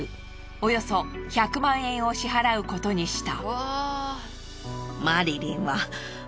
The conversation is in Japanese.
およそ１００万円を支払うことにした。